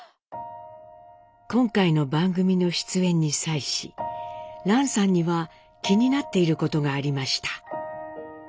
今回の番組の出演に際し蘭さんには気になっていることがありました。